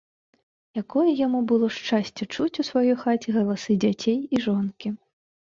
Якое яму было шчасце чуць у сваёй хаце галасы дзяцей і жонкі!